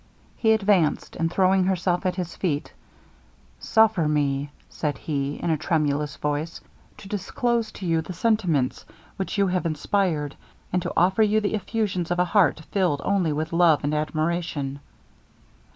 He advanced, and throwing himself at her feet: 'Suffer me,' said he, in a tremulous voice, 'to disclose to you the sentiments which you have inspired, and to offer you the effusions of a heart filled only with love and admiration.'